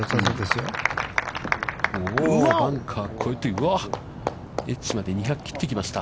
バンカーを越えて、エッジまで２００切ってきました。